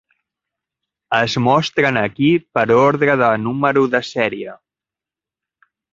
Es mostren aquí per ordre de número de sèrie.